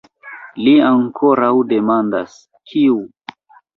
Li ankoraŭ demandas: kiu?